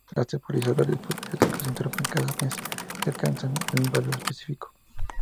Los temporizadores periódicos interrumpen cada vez que alcanzan un valor específico.